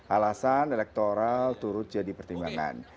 alasan elektoral turut jadi pertimbangan